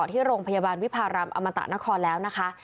ที่โรงพยาบาลวิพารามอมตะนครแล้วนะคะ